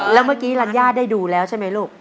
แล้วเมื่อกี้รัญญาได้ดูแล้วใช่ไหมลูก